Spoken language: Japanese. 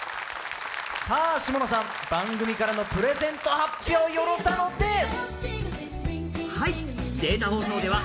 下野さん、番組からのプレゼント発表よろたのです。